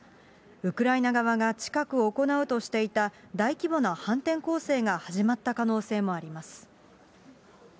ウクライナ側が近く行うとしていた大規模な反転攻勢が始まった可能性もあります。